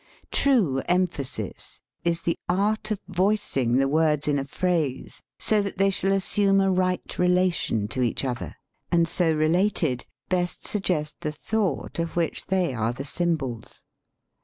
True emphasis is the art of voicing the words in a phrase so that they shall as sume a right relation to each other and, so related, best suggest the thought of which they are the symbols.